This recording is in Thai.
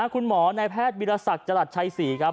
คุณหมอในแพทย์วิทยาศักดิ์จรัสชัย๔ครับ